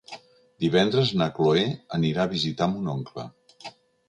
Divendres na Cloè anirà a visitar mon oncle.